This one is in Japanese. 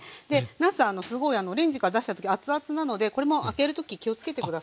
なすすごいレンジから出した時熱々なのでこれも開ける時気をつけて下さい。